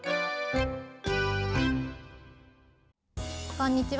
こんにちは。